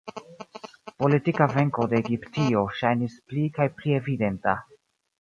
Politika venko de Egiptio ŝajnis pli kaj pli evidenta.